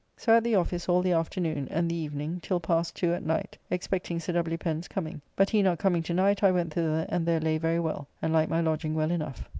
So at the office all the afternoon and the evening till past to at night expecting Sir W. Pen's coming, but he not coming to night I went thither and there lay very well, and like my lodging well enough.